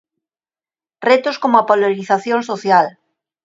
Retos como a polarización social.